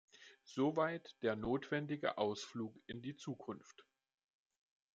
Soweit der notwendige Ausflug in die Zukunft.